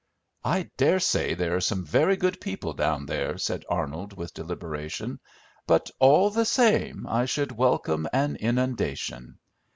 "I dare say there are some very good people down there," said Arnold, with deliberation, "but all the same I should welcome an inundation.